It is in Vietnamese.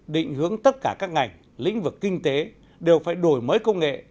định hướng tất cả các ngành lĩnh vực kinh tế đều phải đổi mới công nghệ